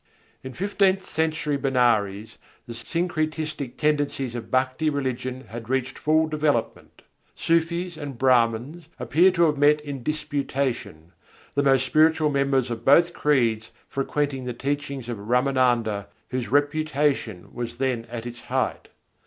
In fifteenth century Benares the syncretistic tendencies of Bhakti religion had reached full development. Sûfîs and Brâhmans appear to have met in disputation: the most spiritual members of both creeds frequenting the teachings of Râmânanda, whose reputation was then at its height.